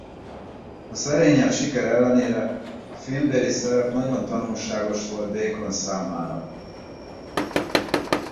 A szerényebb siker ellenére a filmbeli szerep nagyon tanulságos volt Bacon számára.